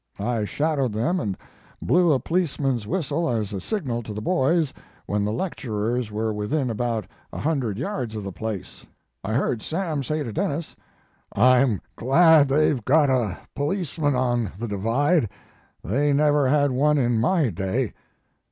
I shadowed them and blew a policeman's whistle as a signal to the boys when the lecturers were within about a hundred yards of the place. I heard Sam say to Denis: "'I'm glad they've got a policeman on the Divide. They never had one in my day.'